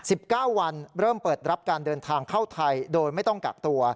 สิบเก้าวันเริ่มเปิดรับการเดินทางเข้าไทยโดยไม่ต้องกักตัว